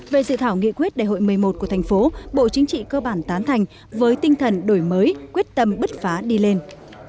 về dự thảo nghị quyết đại hội một mươi một của thành phố bộ chính trị cơ bản tán thành với tinh thần đổi mới quyết tâm bứt phá đi lên